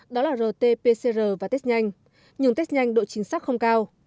đó là rt pcr và test nhanh nhưng test nhanh độ chính xác không cao